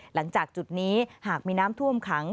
หลังจากจุดนี้หากมีน้ำท่วมขัง